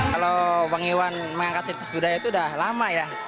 kalau bang iwan mengangkat situs budaya itu sudah lama ya